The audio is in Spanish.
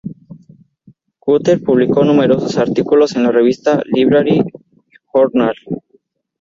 Cutter publicó numerosos artículos en la revista Library Journal.